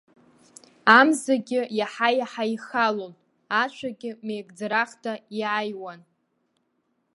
Амзагьы иаҳа-иаҳа ихалон, ашәагьы меигӡарахда иааиуан.